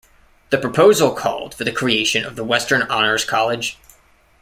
The proposal called for the creation of the Western Honors College.